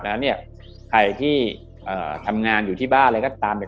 แล้วเนี่ยใครที่ทำงานอยู่ที่บ้านอะไรก็ตามเนี่ย